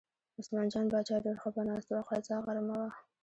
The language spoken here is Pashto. عثمان جان باچا ډېر خپه ناست و، قضا غرمه وه.